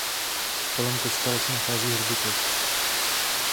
Kolem kostela se nachází hřbitov.